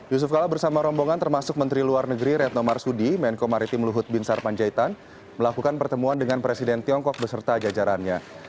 yusuf kala bersama rombongan termasuk menteri luar negeri retno marsudi menko maritim luhut bin sarpanjaitan melakukan pertemuan dengan presiden tiongkok beserta jajarannya